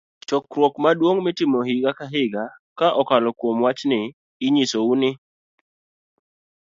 Chokruok Maduong' Mitimo Higa ka Higa .ka okalo kuom wach ni, inyiso u ni